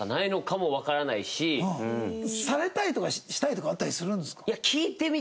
されたいとかしたいとかはあったりするんですか？